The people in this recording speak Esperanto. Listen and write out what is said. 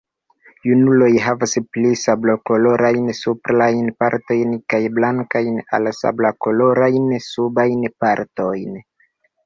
Junuloj havas pli sablokolorajn suprajn partojn kaj blankajn al sablokolorajn subajn partojn.